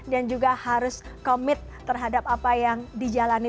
dan juga harus commit terhadap apa yang dijalani